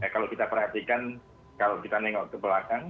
kalau kita perhatikan kalau kita nengok ke belakang